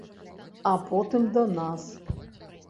А потым да нас.